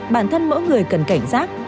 bản thân mỗi người cần cảnh giác